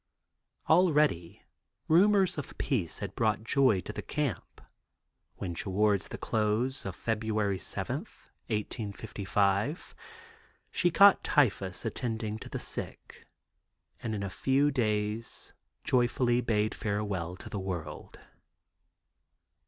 Already rumors of peace had brought joy to the camp, when toward the close of February 7, 1855, she caught typhus attending the sick and in a few days joyfully bade farewell to the world.